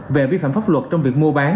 về vi phạm pháp luật trong việc mua bán